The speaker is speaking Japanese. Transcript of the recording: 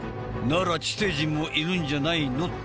なら地底人もいるんじゃないの？